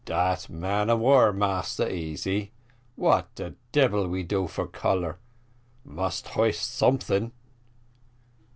"Dat man o' war, Massa Easy what de debbil we do for colour? must hoist someting."